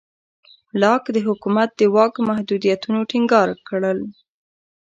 لاک د حکومت د واک محدودیتونه ټینګار کړل.